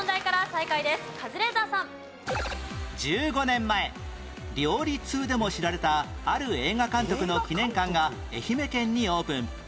１５年前料理通でも知られたある映画監督の記念館が愛媛県にオープン